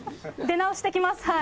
出直してきます。